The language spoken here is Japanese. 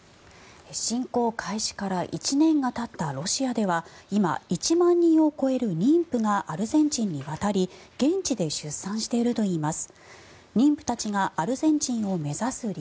侵攻開始から１年がたったロシアでは今、１万人を超える妊婦がアルゼンチンに渡り現地で出産しているといいます。